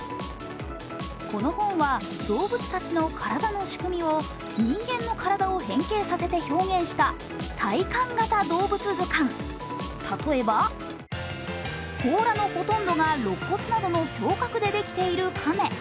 この本は、動物たちの体の仕組みを人間の体を変形させて表現した体感型動物図鑑、例えば、甲羅のほとんどがろっ骨などの胸郭でできているカメ。